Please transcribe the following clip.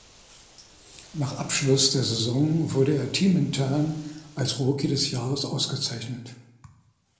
Nach Abschluss der Saison wurde er teamintern als Rookie des Jahres ausgezeichnet.